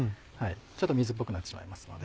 ちょっと水っぽくなってしまいますので。